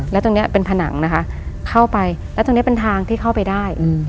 แล้วตรงนี้เป็นผนังนะคะเข้าไปแล้วตรงนี้เป็นทางที่เข้าไปได้